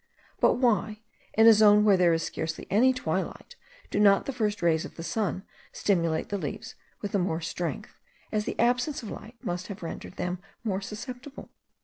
But why, in a zone where there is scarcely any twilight, do not the first rays of the sun stimulate the leaves with the more strength, as the absence of light must have rendered them more susceptible?